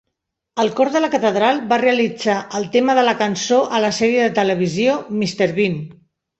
El cor de la catedral va realitzar el tema de la cançó a la sèrie de televisió "Mr. Bean".